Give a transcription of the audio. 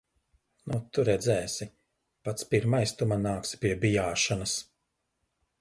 Nu tu redzēsi. Pats pirmais tu man nāksi pie bijāšanas.